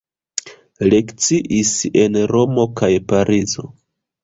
Lekciis en Romo kaj Parizo.